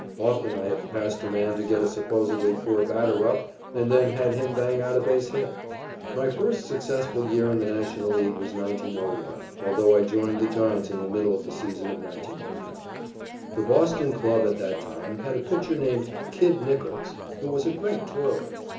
Often I have passed a man to get a supposedly poor batter up and then had him bang out a base hit. My first successful year in the National League was 1901, although I joined the Giants in the middle of the season of 1900. The Boston club at that time had a pitcher named "Kid" Nichols who was a great twirler.